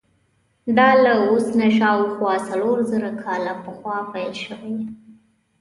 دا له اوس نه شاوخوا څلور زره کاله پخوا پیل شوی.